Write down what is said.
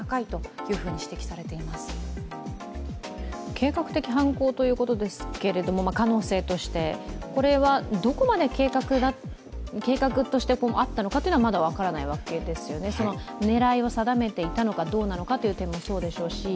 計画的犯行ということですけども、可能性として、これはどこまで計画としてあったのかというのはまだ分からないわけですよね、狙いを定めていたのかどうなのかという点もそうですし。